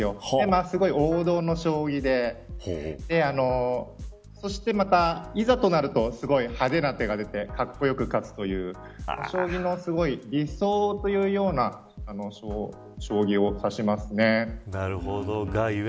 すごく王道の将棋でそしてまた、いざとなると派手な手が出てかっこよく勝つという将棋のすごい理想というような将棋を指しますね。